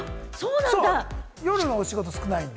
夜のお仕事少ないんで。